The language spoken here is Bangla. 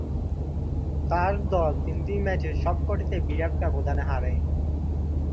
তার দল তিনটি ম্যাচের সবকটিতেই বিরাট ব্যবধানে হারে।